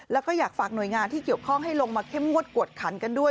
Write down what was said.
แล้วก็อยากฝากหน่วยงานที่เกี่ยวข้องให้ลงมาเข้มงวดกวดขันกันด้วย